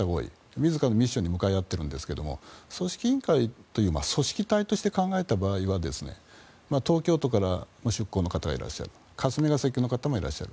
自らミッションに向かい合っていますが組織委員会という組織体として考えた場合東京都から出向の方がいらっしゃる霞が関の方もいらっしゃる。